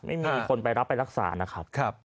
ไม่มีคนไปรักษานะครับ